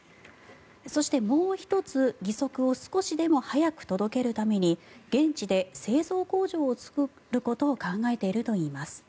そして、もう１つ義足を少しでも早く届けるために現地で製造工場を作ることを考えているといいます。